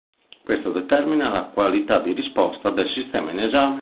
Questo determina la qualità di risposta del sistema in esame.